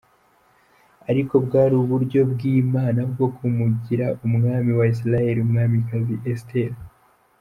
ariko bwari uburyo bw'Imana bwo kumugira umwami wa Isirayeli umwamikazi Esiteri.